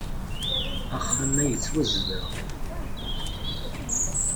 Axxam-a yettwazdeɣ.